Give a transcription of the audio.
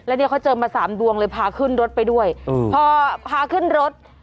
แล้วเนี่ยเขาเจอมาสามดวงเลยพาขึ้นรถไปด้วยพอพาขึ้นรถ